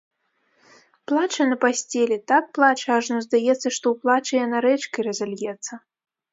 Плача на пасцелі, так плача, ажно здаецца, што ў плачы яна рэчкай разальецца.